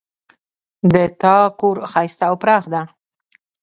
د تا کور ښایسته او پراخ ده